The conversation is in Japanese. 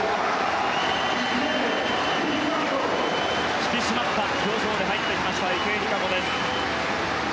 引き締まった表情で入ってきた池江璃花子です。